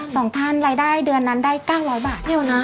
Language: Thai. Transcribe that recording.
สองท่านรายได้เดือนนั้นได้เก้าร้อยบาทเดียวนะ